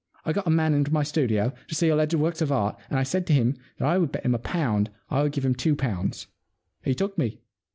I got a man into my studio, to see alleged works of art, and I said to him that I would bet him a pound I would give him two pounds. He took me.